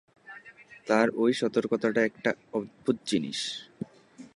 তার ঐ সতর্কতাটা একটা অদ্ভুত জিনিস।